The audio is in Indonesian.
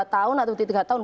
lima tahun atau tiga tahun